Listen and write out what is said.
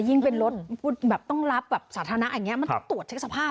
ยิ่งเป็นรถแบบต้องรับแบบสาธารณะอย่างนี้มันต้องตรวจเช็คสภาพ